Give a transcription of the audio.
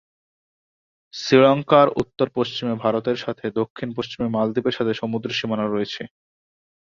শ্রীলঙ্কার উত্তর-পশ্চিমে ভারতের সাথে এবং দক্ষিণ-পশ্চিমে মালদ্বীপের সাথে সমুদ্র সীমানা রয়েছে।